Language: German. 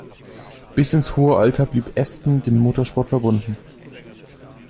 Bis ins hohe Alter blieb Aston dem Motorsport verbunden.